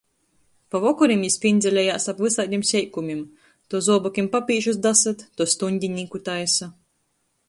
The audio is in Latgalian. Pa vokorim jis pindzelejās ap vysaidim seikumim - to zuobokim papīžus dasyt, to stuņdinīku taisa.